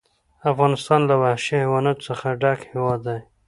افغانستان له وحشي حیواناتو څخه ډک هېواد دی.